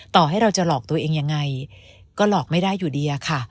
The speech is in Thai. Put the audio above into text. ต่อให้เราจะหลอกตัวเองยังไงก็หลอกไม่ได้อยู่ดีอะค่ะ